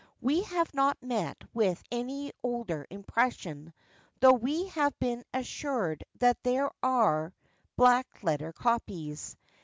We have not met with any older impression, though we have been assured that there are black letter copies.